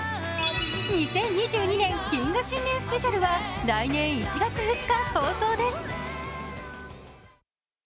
「２０２２年謹賀新年スペシャル」は来年１月２日放送です。